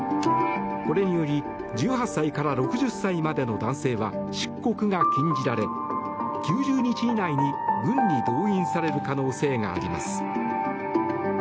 これにより１８歳から６０歳までの男性は出国が禁じられ、９０日以内に軍に動員される可能性があります。